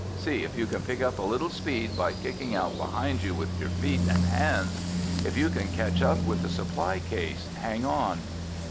See if you can pick up a little speed by kicking out behind with your feet and hands. If you can catch up with the supply case, hang on."